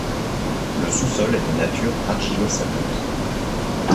Le sous-sol est de nature argilo-sableuse.